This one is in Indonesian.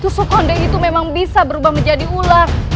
susu konde itu memang bisa berubah menjadi ular